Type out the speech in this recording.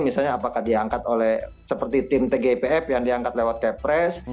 misalnya apakah diangkat oleh seperti tim tgipf yang diangkat lewat kepres